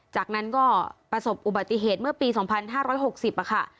จากนั้นก็ประสบอุบัติเหตุเมื่อปี๒๕๖๐ค่ะ